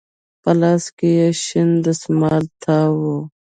په لاس يې شين دسمال تاو و.